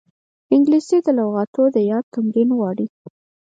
انګلیسي د لغاتو یاد ته تمرین غواړي